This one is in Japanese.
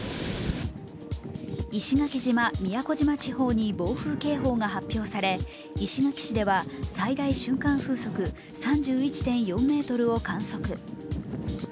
石垣島・宮古島地方に暴風警報が発表され石垣市では最大瞬間風速３１．４メートルを観測。